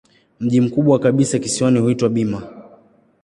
Mji mkubwa kabisa kisiwani huitwa Bima.